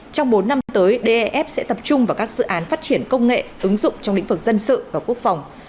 trong bốn năm tới def sẽ tập trung vào các dự án phát triển công nghệ ứng dụng trong lĩnh vực dân sự và quốc phòng